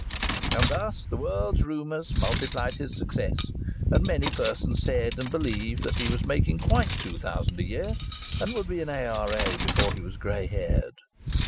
And thus the world's rumours multiplied his success, and many persons said and believed that he was making quite two thousand a year, and would be an A.R.A. before he was grey haired.